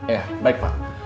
ya baik pak